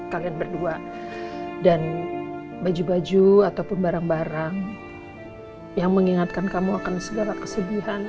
kalian berdua dan baju baju ataupun barang barang yang mengingatkan kamu akan segala kesedihan